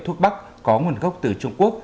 thuốc bắc có nguồn gốc từ trung quốc